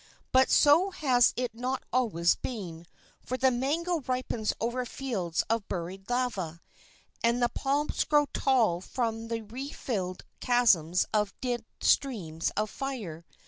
But so has it not always been, for the mango ripens over fields of buried lava, and the palms grow tall from the refilled chasms of dead streams of fire.